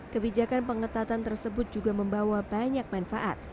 kebijakan pengetatan tersebut juga membawa banyak manfaat